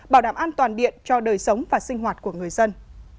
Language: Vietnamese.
bảo đảm an toàn điện cho đời sống và sinh hoạt của người dân